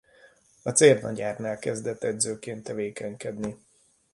A Cérnagyárnál kezdett edzőként tevékenykedni.